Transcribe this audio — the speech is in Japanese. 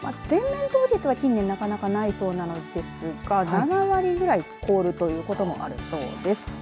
全面凍結は近年なかなかないそうですが７割ぐらい凍るということもあるそうです。